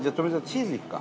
チーズいくか。